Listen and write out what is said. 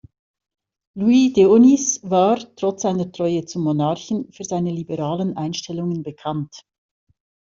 Luis de Onís war, trotz seiner Treue zum Monarchen, für seine liberalen Einstellungen bekannt.